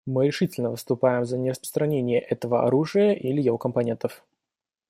Мы решительно выступаем за нераспространение этого оружия или его компонентов.